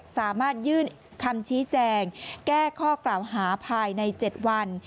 สามารถยื่นคำชี้แจงแก้ข้อกล่าวหาภายใน๗วัน